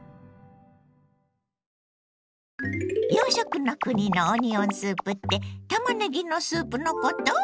洋食の国のオニオンスープってたまねぎのスープのこと？